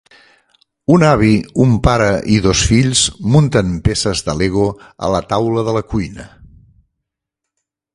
Un avi, un pare i dos fills munten peces de Lego a la taula de la cuina.